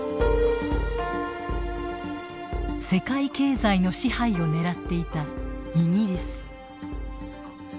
世界経済の支配をねらっていたイギリス。